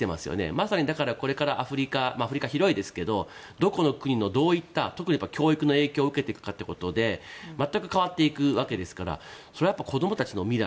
まさにだから、これからアフリカは広いですけどどこの国で、どういった特に教育の影響を受けるかということで全く変わるわけですからそれは子供たちの未来